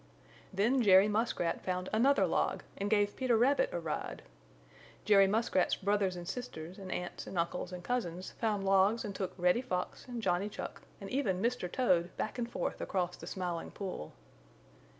Then Jerry Muskrat found another log and gave Peter Rabbit a ride. Jerry Muskrat's brothers and sisters and aunts and uncles and cousins found logs and took Reddy Fox and Johnny Chuck and even Mr. Toad back and forth across the Smiling Pool.